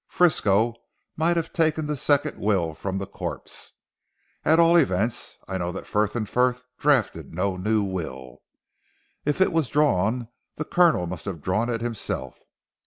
"Frisco might have taken the second will from the corpse. At all events I know that Frith and Frith drafted no new will. If it was drawn the Colonel must have drawn it himself.